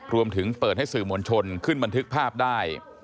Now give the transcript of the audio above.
รวมถึงเปิดให้สื่อมวลชนขึ้นบันทึกภาพได้